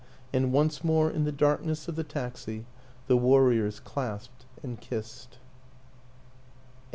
. and once more in the darkness of the taxi the warriors clasped and kissed.